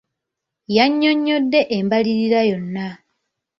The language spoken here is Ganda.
Yannyonnyodde embalirira yonna.